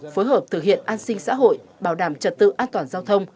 phối hợp thực hiện an sinh xã hội bảo đảm trật tự an toàn giao thông